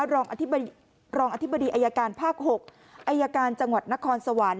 รองอธิบดีอายการภาค๖อายการจังหวัดนครสวรรค์